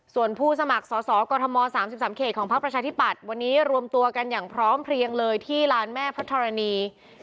ส่วนผู้สมัครสอสอกรทม๓๓เขตของพักประชาธิปัตย์วันนี้รวมตัวกันอย่างพร้อมเพลียงเลยที่ลานแม่พระธรณี